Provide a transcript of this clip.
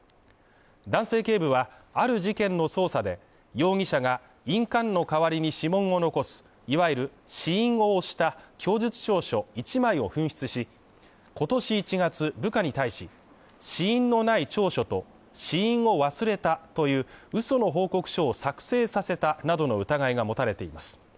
男性警部は、ある事件の捜査で容疑者が印鑑の代わりに指紋を残すいわゆる指印をした供述調書１枚を紛失し、今年１月部下に対し、指印のない調書と指印を忘れたといううその報告書を作成させたなどの疑いが持たれています。